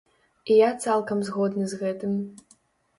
І я цалкам згодны з гэтым.